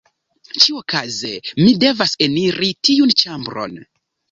Ĉiuokaze mi devas eniri tiun ĉambron.